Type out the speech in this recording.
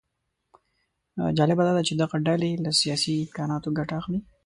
جالبه داده چې دغه ډلې له سیاسي امکاناتو ګټه اخلي